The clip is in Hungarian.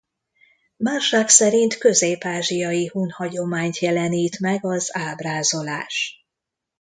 Marshak szerint közép-ázsiai hun hagyományt jelenít meg az ábrázolás.